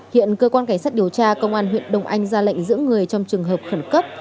hiện cơ quan cảnh sát điều tra công an huyện đông anh ra lệnh giữ người trong trường hợp khẩn cấp